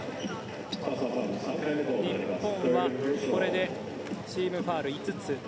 日本はこれでチームファウル５つ。